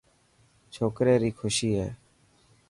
ڇوڪري ري خوشي هي.